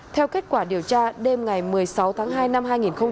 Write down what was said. theo kết quả điều tra đêm ngày một mươi sáu tháng hai năm hai nghìn một mươi bốn